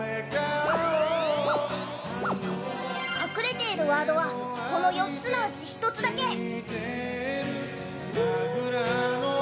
隠れているワードはこの４つのうち１つだけ。